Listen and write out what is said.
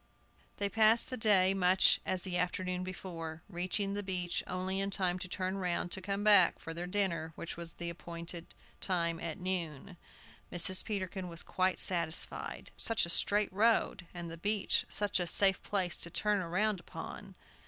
They passed the day much as the afternoon before, reaching the beach only in time to turn round to come back for their dinner, which was appointed at noon. Mrs. Peterkin was quite satisfied. "Such a straight road, and the beach such a safe place to turn round upon!"